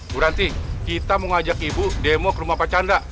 bu ranti kita mau ngajak ibu demo ke rumah pak chandra